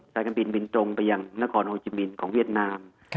การบินบินตรงไปยังนครโอจิมินของเวียดนาม